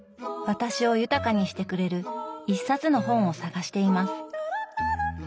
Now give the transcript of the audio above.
私を豊かにしてくれる一冊の本を探しています。